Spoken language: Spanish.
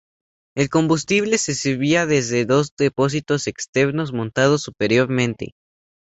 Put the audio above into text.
El combustible se servía desde dos depósitos externos montados superiormente.